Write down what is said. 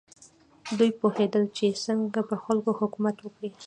دوی پوهېدل چې څنګه پر خلکو حکومت وکړي.